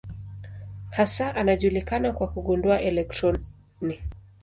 Hasa anajulikana kwa kugundua elektroni.